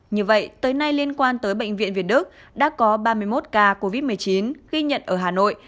như vậy tới nay liên quan tới bệnh viện việt đức đã có ba mươi một ca covid một mươi chín ghi nhận ở hà nội